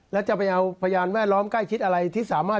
แล้วจะไปเอาพยานแวดล้อมใกล้ชิดอะไรที่สามารถ